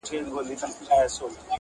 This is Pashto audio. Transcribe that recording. ستا په يادونو كي راتېره كړله,